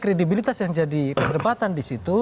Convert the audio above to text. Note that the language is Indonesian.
kredibilitas yang jadi perdebatan di situ